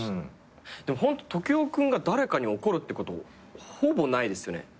でもホント時生君が誰かに怒るってことほぼないですよね。